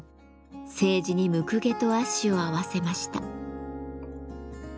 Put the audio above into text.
青磁にむくげと葦を合わせました。